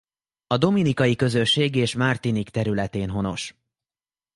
A Dominikai Közösség és Martinique területén honos.